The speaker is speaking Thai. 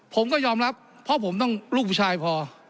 ผมก็ยอมรับเพราะผมต้องลูกผู้ชายพอ